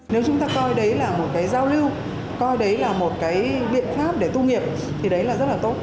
nếu chúng ta coi đấy là một cái giao lưu coi đấy là một cái biện pháp để tu nghiệp thì đấy là rất là tốt